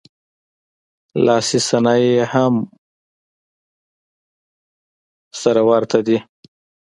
لاسي صنایع یې هم سره ورته دي